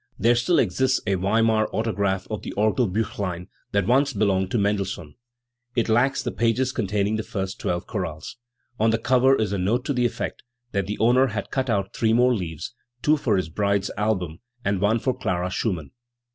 There still exists a Weimar autograph of the Orgelbttchlein, that once belonged to Mendelssohn. It lacks the pages containing the first twelve chorales. On the cover is a no'te to the effect that the owner had cut out three more leaves two for his bride's album, and one for Clara Schumann*.